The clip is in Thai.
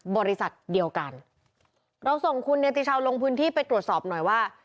บริษัทเดียวกันเราส่งคุณเนติชาวลงพื้นที่ไปตรวจสอบหน่อยว่า